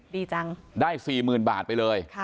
ดีจังได้๔๐๐๐บาทไปเลย